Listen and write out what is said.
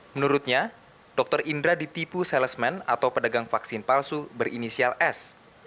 menurutnya dr indra ditipu salesman atau pedagang vaksin palsu berinisial s